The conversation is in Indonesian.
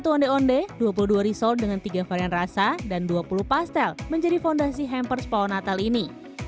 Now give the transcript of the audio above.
satu onde onde dua puluh dua resort dengan tiga varian rasa dan dua puluh pastel menjadi fondasi hampers pohon natal ini